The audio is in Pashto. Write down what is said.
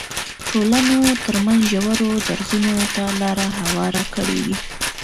ټولنو ترمنځ ژورو درزونو ته لار هواره کړې وای.